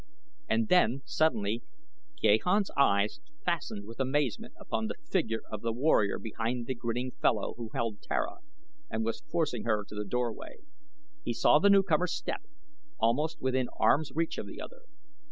And then, suddenly, Gahan's eyes fastened with amazement upon the figure of the warrior behind the grinning fellow who held Tara and was forcing her to the doorway. He saw the newcomer step almost within arm's reach of the other.